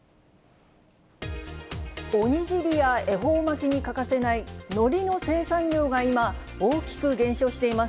お握りや恵方巻きに欠かせない、のりの生産量が今、大きく減少しています。